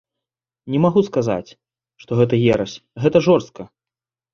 Не магу сказаць, што гэта ерась, гэта жорстка.